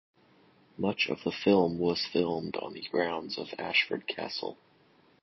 Much of the film was filmed on the grounds of Ashford Castle.